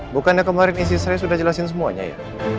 bukannya kemarin istri saya sudah jelasin semuanya ya